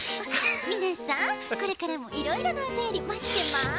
みなさんこれからもいろいろなおたよりまってます。